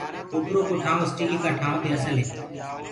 ڪوپرو ڪو ٺآئون اسٽيلي ڪآ ٽآئونٚ دي اسل هي۔